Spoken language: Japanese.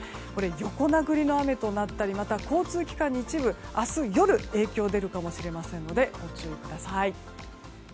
横殴りの雨となったり交通機関に一部明日夜、影響が出るかもしれませんのでご注意ください。